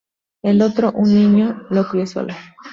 El otro, un niño, lo crio sola.